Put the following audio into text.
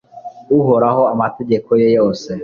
uhoraho, amategeko ye yose